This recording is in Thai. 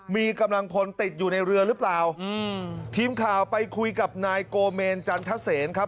มีกำลังพลติดอยู่ในเรือหรือเปล่าอืมทีมข่าวไปคุยกับนายโกเมนจันทเซนครับ